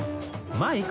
マイク。